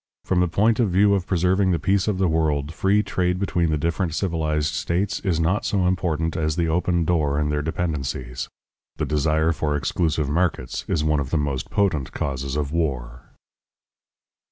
From the point of view of preserving the peace of the world, free trade between the different civilized states is not so important as the open door in their dependencies. The desire for exclusive markets is one of the most potent causes of war.